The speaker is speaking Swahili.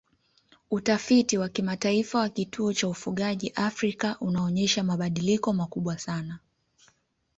Utafiti wa kimataifa wa kituo cha ufugaji Afrika unaonyesha mabadiliko makubwa sana